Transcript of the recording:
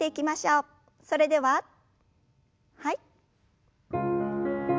それでははい。